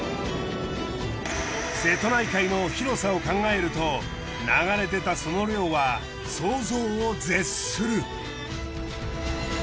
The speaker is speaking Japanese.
瀬戸内海の広さを考えると流れ出たその量は想像を絶する。